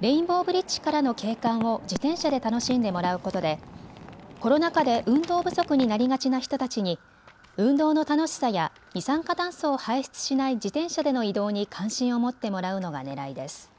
レインボーブリッジからの景観を自転車で楽しんでもらうことでコロナ禍で運動不足になりがちな人たちに運動の楽しさや二酸化炭素を排出しない自転車での移動に関心を持ってもらうのがねらいです。